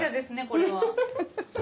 これは。